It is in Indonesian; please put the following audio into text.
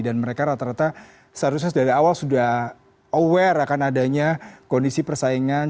dan mereka rata rata seharusnya dari awal sudah aware akan adanya kondisi persaingan